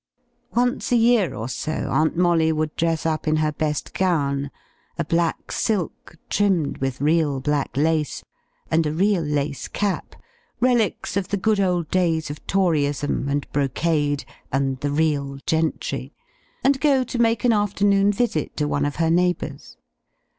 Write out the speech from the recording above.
Once a year, or so, Aunt Molly would dress up in her best gown, a black silk, trimmed with real black lace, and a real lace cap, relics of the good old days of Toryism and brocade and the real gentry, and go to make an afternoon visit to one of her neighbors.